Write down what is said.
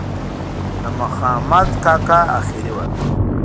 د مخامد کاکا آخري وه.